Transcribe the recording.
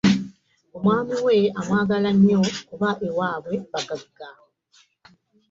Omwami we amwagala nnyo kuba ewaabwe bagagga.